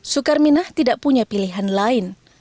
sukar minah tidak punya pilihan lain